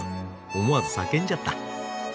思わず叫んじゃった。